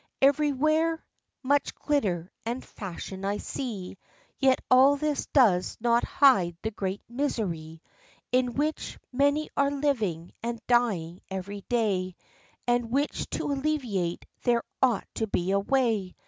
Every where much glitter and fashion I see ; Yet all this does not hide the great misery In which many are living and dying every day, And which to alleviate there ought to be a way.